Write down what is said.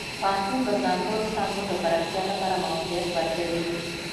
پوهنتون د ځانګړو څانګو د پراختیا لپاره موقعیت ورکوي.